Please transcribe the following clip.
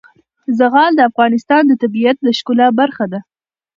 زغال د افغانستان د طبیعت د ښکلا برخه ده.